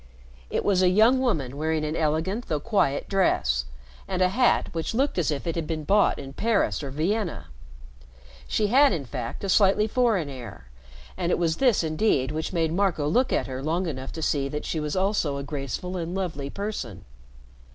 It was a young woman wearing an elegant though quiet dress, and a hat which looked as if it had been bought in Paris or Vienna. She had, in fact, a slightly foreign air, and it was this, indeed, which made Marco look at her long enough to see that she was also a graceful and lovely person.